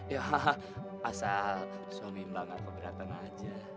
ya asal suami mbak nggak keberatan aja